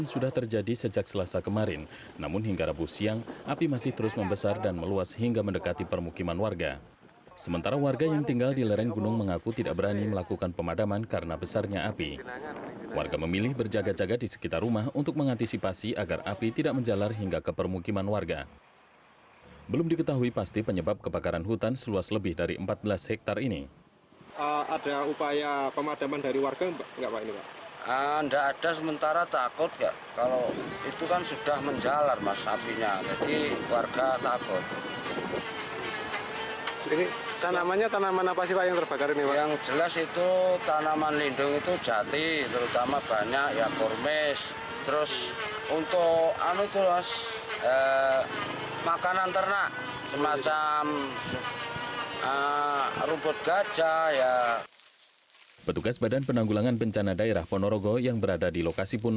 sejak selasa sore kemarin sementara petugas yang ada di lokasi